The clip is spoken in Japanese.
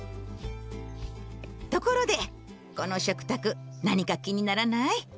ところでこの食卓何か気にならない？